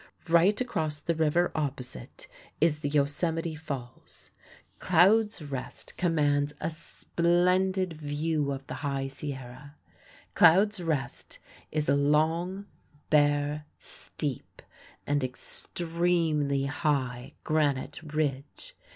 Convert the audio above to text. Right across the river opposite is the Yosemite Falls. Cloud's Rest commands a splendid view of the High Sierra. Cloud's Rest is a long, bare, steep and extremely high granite ridge.